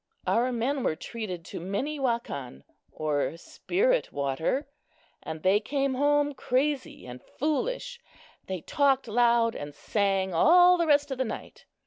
Our men were treated to minnewakan or "spirit water," and they came home crazy and foolish. They talked loud and sang all the rest of the night.